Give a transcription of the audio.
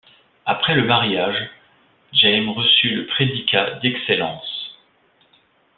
Après le mariage, Jaime reçut le prédicat d'excellence.